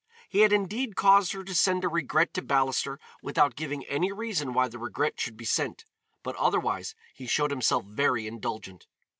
He had indeed caused her to send a regret to Ballister without giving any reason why the regret should be sent, but otherwise he showed himself very indulgent.